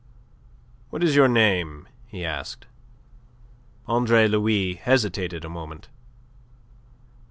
"What is your name?" he asked. Andre Louis hesitated a moment.